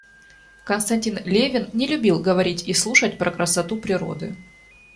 Константин Левин не любил говорить и слушать про красоту природы.